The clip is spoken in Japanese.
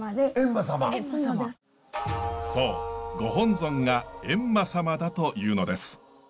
そう御本尊が閻魔様だというのです。